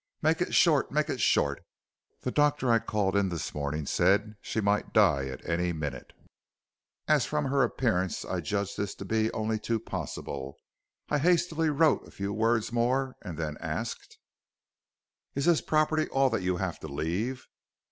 'Make it short, make it short. The doctor I called in this morning said she might die any minute.' "As from her appearance I judged this to be only too possible, I hastily wrote a few words more, and then asked: "'Is this property all that you have to leave?'